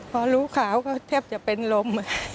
พอรู้ข่าวก็แทบจะเป็นลม